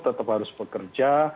tetap harus bekerja